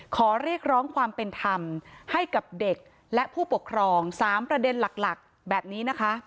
ขอเรียกร้องความเป็นธรรมให้กับเด็กและผู้ปกครอง๓ประเด็นหลักแบบนี้นะคะ